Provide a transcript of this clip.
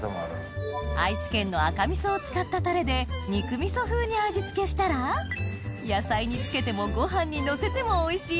愛知県の赤味噌を使ったタレで肉味噌風に味付けしたら野菜に付けてもご飯にのせてもおいしい